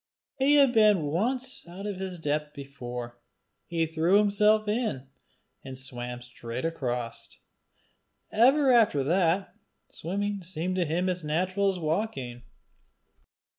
He had been once out of his depth before: he threw himself in, and swam straight across: ever after that, swimming seemed to him as natural as walking.